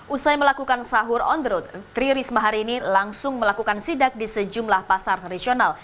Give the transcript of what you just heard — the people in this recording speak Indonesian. usai melakukan sahur on the road tri risma hari ini langsung melakukan sidak di sejumlah pasar tradisional